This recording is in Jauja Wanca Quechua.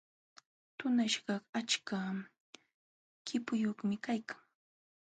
Tunaśhkaq achka qipuyuqmi kaykan.